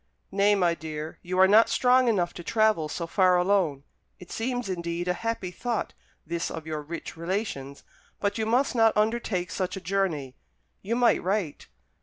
"Nay, my dear, you are not strong enough to travel so far alone. It seems, indeed, a happy thought this of your rich relations; but you must not undertake such a journey. You might write."